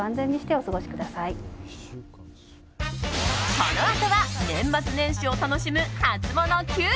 このあとは年末年始を楽しむハツモノＱ！